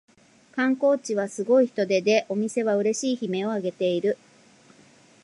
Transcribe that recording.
観光地はすごい人出でお店はうれしい悲鳴をあげている